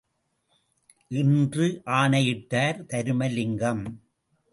என்று ஆணையிட்டார் தருமலிங்கம்.